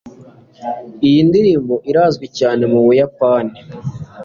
Iyi ndirimbo irazwi cyane mu Buyapani.